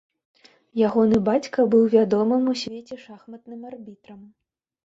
Ягоны бацька быў вядомым у свеце шахматным арбітрам.